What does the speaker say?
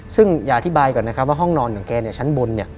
ซึ่งอย่าอธิบายก่อนนะครับว่าห้องนอนของแกชั้นบน